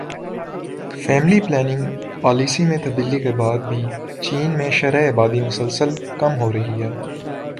family planning policy میں تبدیلی کے بعد بھی چین میں شرح آبادی مسلسل کم ہو رہی ہے